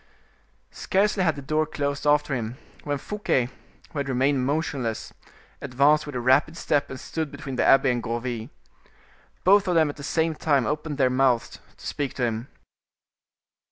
Scarcely had the door closed after him when Fouquet, who had remained motionless, advanced with a rapid step and stood between the abbe and Gourville. Both of them at the same time opened their mouths to speak to him.